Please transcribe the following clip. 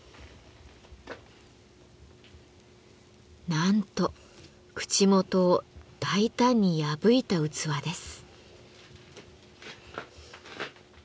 なんと口元を大胆に破いた器です。